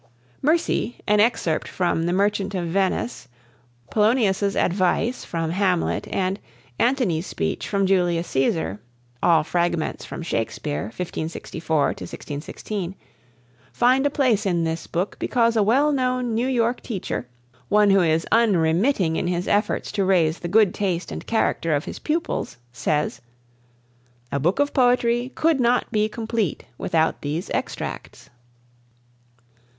"Mercy," an excerpt from "The Merchant of Venice," "Polonius' Advice," from "Hamlet," and "Antony's Speech," from "Julius Cæsar" (all fragments from Shakespeare, 1564 1616), find a place in this book because a well known New York teacher one who is unremitting in his efforts to raise the good taste and character of his pupils says: "A book of poetry could not be complete without these extracts."